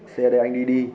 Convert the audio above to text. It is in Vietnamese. xe để anh đi đi